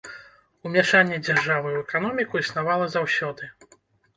Умяшанне дзяржавы ў эканоміку існавала заўсёды.